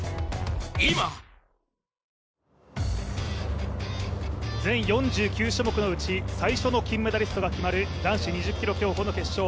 今全４９種目のうち最初のメダリストが決まる男子２０ｋｍ競歩の決勝。